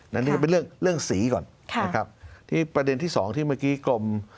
อันนี้ก็เป็นเรื่องเรื่องสีก่อนนะครับที่ประเด็นที่สองที่เมื่อกี้กรม